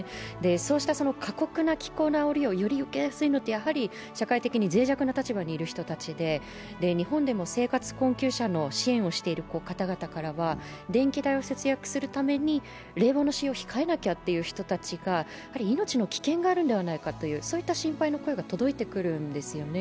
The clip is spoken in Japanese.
そうした過酷な気候なあおりをより受けやすいのは社会的に脆弱な立場にいる人たちで日本でも生活困窮者の支援をしている方々からは電気代を節約するために冷房の使用を控えなきゃっていう人たちが命の危険があるのではないかという心配の声が届いてくるんですよね。